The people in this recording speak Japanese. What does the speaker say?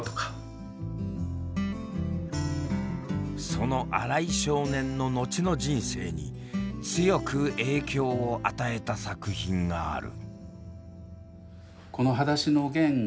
その新井少年の後の人生に強く影響を与えた作品がある。